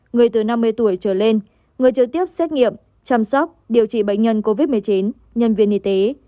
người từ năm mươi tuổi trở lên người trực tiếp xét nghiệm chăm sóc điều trị bệnh nhân covid một mươi chín nhân viên y tế